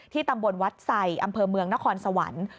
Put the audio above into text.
ตำบลวัดไสอำเภอเมืองนครสวรรค์